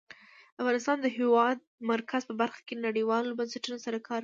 افغانستان د د هېواد مرکز په برخه کې نړیوالو بنسټونو سره کار کوي.